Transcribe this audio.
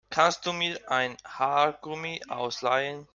Kannst du mir ein Haargummi ausleihen?